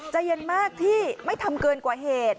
ใจเย็นมากที่ไม่ทำเกินกว่าเหตุ